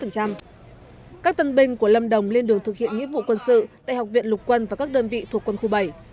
các tân binh của lâm đồng lên đường thực hiện nghĩa vụ quân sự tại học viện lục quân và các đơn vị thuộc quân khu bảy